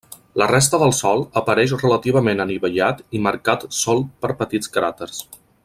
La resta del sòl apareix relativament anivellat i marcat sol per petits cràters.